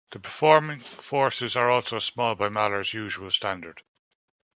The performing forces are also small by Mahler's usual standard.